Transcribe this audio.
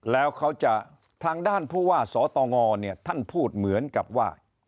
แล้วเขาจะทางด้านผู้ว่าสตงเนี่ยท่านพูดเหมือนกับว่า